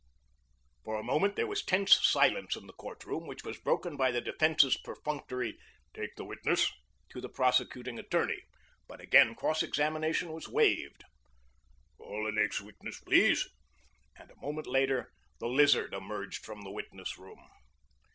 For a moment there was tense silence in the court room which was broken by the defense's perfunctory "Take the witness" to the prosecuting attorney, but again cross examination was waived. "Call the next witness, please," and a moment later the Lizard emerged from the witness room.